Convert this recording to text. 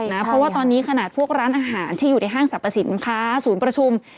เพราะว่าตอนนี้ขนาดพวกร้านอาหารที่อยู่ในห้างสรรพสินค้าศูนย์ประชุม